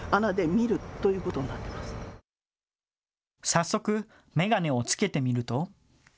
早速、眼鏡を着けてみると。